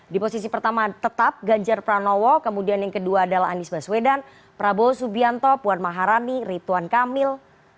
di posisi pertama tetap ganjar pranowo kemudian yang kedua adalah anies baswedan prabowo subianto puan maharani rituan kamil